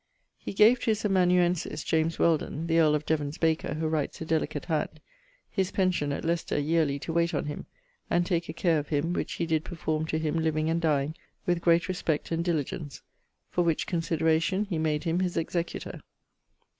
_ He gave to his amanuensis, James Wheldon (the earle of Devon's baker; who writes a delicate hand), his pention at Leicester, yearly, to wayte on him, and take a care of him, which he did performe to him living and dying, with great respect and diligence: for which consideration he made him his executor.